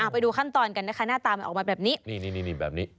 ไปดูขั้นตอนกันนะคะหน้าตามันออกมาแบบนี้